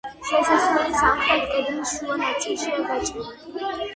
შესასვლელი სამხრეთ კედლის შუა ნაწილშია გაჭრილი.